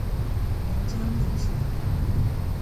沅江澧水